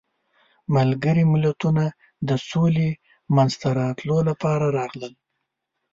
ملګري ملتونه د سولې منځته راتلو لپاره راغلل.